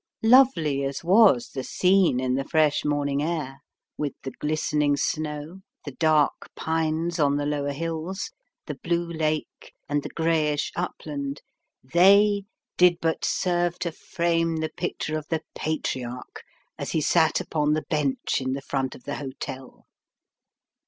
Lovely as was the scene in the fresh morning air, with the glistening snow, the dark pines on the lower hills, the blue lake, and the greyish upland, they did but serve to frame the picture of the Patriarch as he sat upon the bench in the front of the hotel.